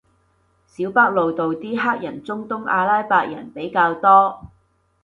小北路度啲黑人中東阿拉伯人比較多